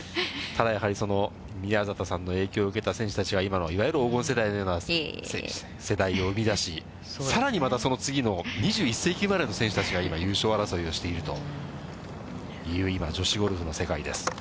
ただやはり、宮里さんの影響を受けた選手たちは、今のいわゆる黄金世代のような世代を生み出し、さらにまたその次の２１世紀生まれの選手たちが今優勝争いをしているという、今、女子ゴルフの世界です。